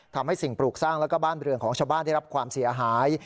ทำให้สิ่งปลูกสร้างแล้วก็บ้านเรือนของชาวบ้านได้รับความเสียหาย